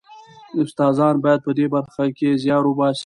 استادان باید په دې برخه کې زیار وباسي.